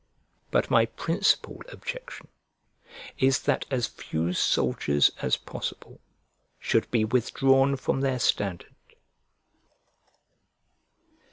But my principal objection is that as few soldiers as possible should be withdrawn from their standard.